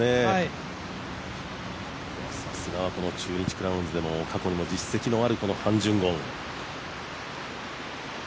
さすがはこの中日クラウンズでも過去にも実績のあるこのハン・ジュンゴン。